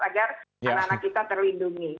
agar anak anak kita terlindungi